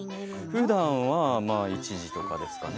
ふだんはまあ１時とかですかね。